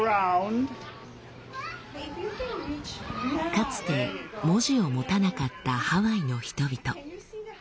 かつて文字を持たなかったハワイの人々。